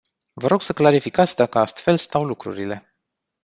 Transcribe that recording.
Vă rog să clarificați dacă astfel stau lucrurile.